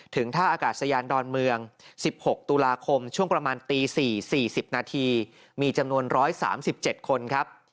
ท่าอากาศยานดอนเมือง๑๖ตุลาคมช่วงประมาณตี๔๔๐นาทีมีจำนวน๑๓๗คนครับ